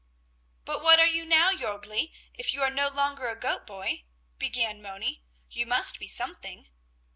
"But what are you now, Jörgli, if you are no longer goat boy?" began Moni. "You must be something."